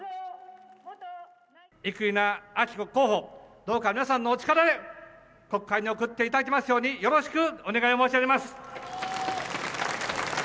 生稲晃子候補、どうか皆さんのお力で、国会に送っていただきますように、よろしくお願い申し上げます。